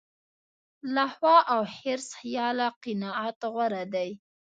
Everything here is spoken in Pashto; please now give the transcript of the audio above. له هوا او حرص خیاله قناعت غوره دی.